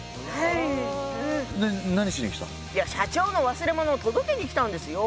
いや社長の忘れ物を届けにきたんですよ。